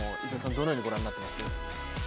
どのようにご覧になってます？